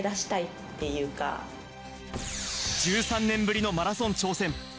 １００００１３年ぶりのマラソン挑戦。